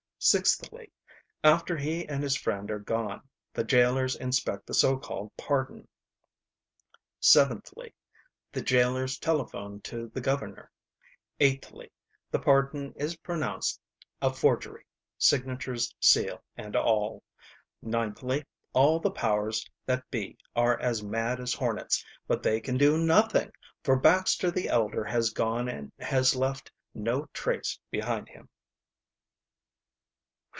Sixthly, after he and his friend are gone the jailers inspect the so called pardon. Seventhly, the jailers telephone to the governor. Eighthly, the pardon is pronounced a forgery, signatures, seal, and all. Ninthly, all the powers that be are as mad as hornets, but they can do nothing, for Baxter the elder has gone and has left no trace behind him."